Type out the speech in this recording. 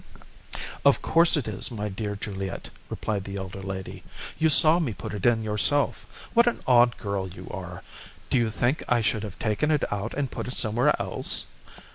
"Of course it is, my dear Juliet," replied the elder lady. "You saw me put it in yourself. What an odd girl you are. Did you think I should have taken it out and put it somewhere else?